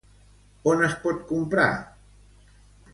On es pot comprar?